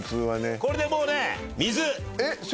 これでもうね水。